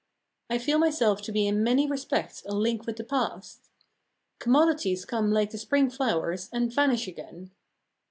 I feel myself to be in many respects a link with the past. Commodities come like the spring flowers, and vanish again.